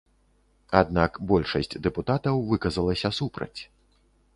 Аднак большасць дэпутатаў выказалася супраць.